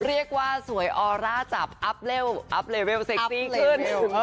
เรียกว่าสวยออร่าจับอัพเล่อัพเลเวลเซ็กซี่ขึ้น